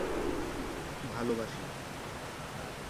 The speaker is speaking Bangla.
মিডিয়াম পেস বোলিং করলেও পরবর্তীকালে অফ-স্পিনার হিসেবে আবির্ভূত হন।